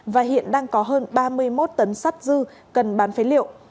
và hiện đang có hơn ba mươi một tấn sắt dư cần bán phế liệu